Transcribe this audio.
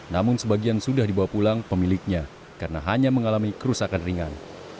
namun sebagian sudah dibawa pulang pemiliknya karena hanya mengalami kerusakan ringan